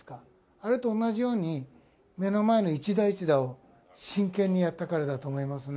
あれと同じように、目の前の一打一打を真剣にやったからだと思いますね。